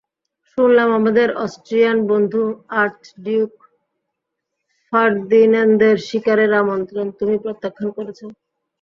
শুনলাম, আমাদের অস্ট্রিয়ান বন্ধু আর্চডিউক ফার্দিন্যান্দের শিকারের আমন্ত্রণ তুমি প্রত্যাখ্যান করেছ?